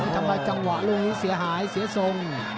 ทำร้ายจังหวะลูกนี้เสียหายเสียทรง